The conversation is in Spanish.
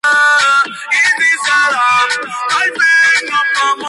Logró cuatro hits en cinco oportunidades al bate.